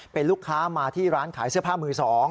เป็นลูกค้ามาที่ร้านขายเสื้อผ้ามือ๒